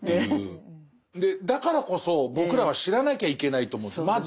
だからこそ僕らは知らなきゃいけないと思うんですまず。